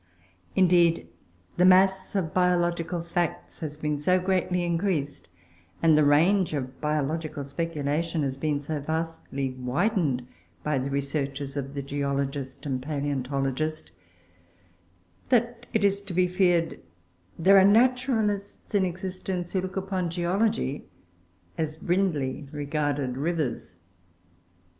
Indeed, the mass of biological facts has been so greatly increased, and the range of biological speculation has been so vastly widened, by the researches of the geologist and palaeontologist, that it is to be feared there are naturalists in existence who look upon geology as Brindley regarded rivers.